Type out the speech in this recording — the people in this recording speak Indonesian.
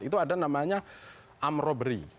itu ada namanya amrobri